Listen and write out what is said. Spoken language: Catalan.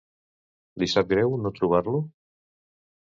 Li sap greu no trobar-lo?